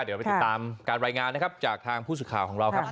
เดี๋ยวไปติดตามการรายงานนะครับจากทางผู้สื่อข่าวของเราครับ